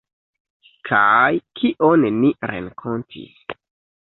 Kaj kion ni renkontis?